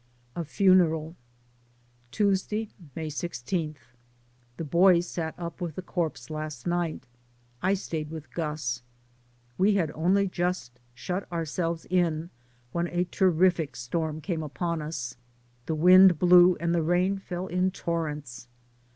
A Funeral. Tuesday, May i6. The boys sat up with the corpse last night. I stayed with Gus. We had only just shut ourselves in when a terrific storm came upon us; the wind blew, and the rain fell in tor rents.